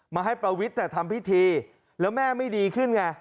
มาให้ประวิทย์ทำพิธีแล้วแม่ไม่ดีขึ้นไง